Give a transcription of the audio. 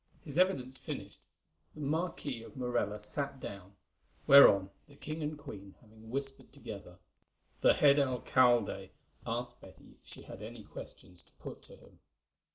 His evidence finished, the Marquis of Morella sat down, whereon, the king and queen having whispered together, the head alcalde asked Betty if she had any questions to put to him.